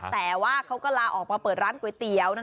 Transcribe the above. แต่ว่าเขาก็ลาออกมาเปิดร้านก๋วยเตี๋ยว